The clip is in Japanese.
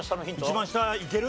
一番下いける？